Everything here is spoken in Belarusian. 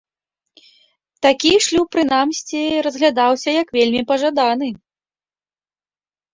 Такі шлюб прынамсі разглядаўся як вельмі пажаданы.